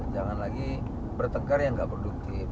jangan lagi pertengkaran yang enggak produktif